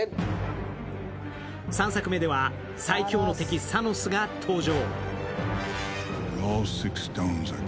３作目では最恐の敵・サノスが登場。